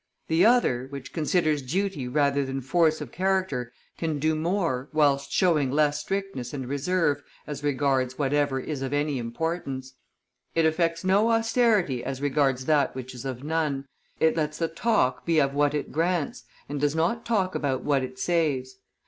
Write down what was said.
The other, which considers duty rather than force of character, can do more, whilst showing less strictness and reserve, as regards whatever is of any importance; it affects no austerity as regards that which is of none; it lets the talk be of what it grants, and does not talk about what it saves.